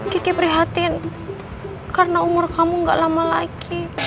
kiki prihatin karena umur kamu gak lama lagi